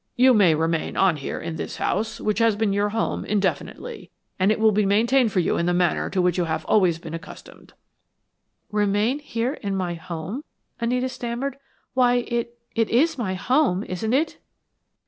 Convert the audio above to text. You may remain on here in this house, which has been your home, indefinitely, and it will be maintained for you in the manner to which you have always been accustomed." "Remain here in my home?" Anita stammered. "Why it it is my home, isn't it?"